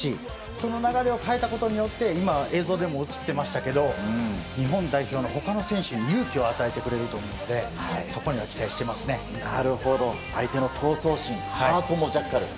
その流れを変えたことによって映像でも映りましたけど日本代表の他の選手に勇気を与えてくれると思うので相手の闘争心ハートもジャッカル。